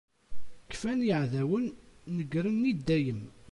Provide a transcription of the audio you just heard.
Kfan yiɛdawen, negren i dayem!